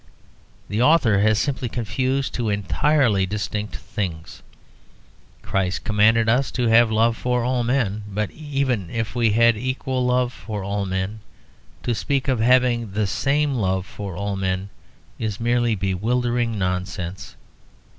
The author has simply confused two entirely distinct things. Christ commanded us to have love for all men, but even if we had equal love for all men, to speak of having the same love for all men is merely bewildering nonsense.